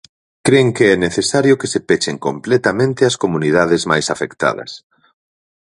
Cren que é necesario que se pechen completamente as comunidades máis afectadas.